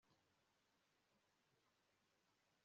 amafaranga bari barimo kwishyurwa igihe cyabo